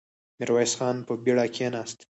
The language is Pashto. ميرويس خان په بېړه کېناست.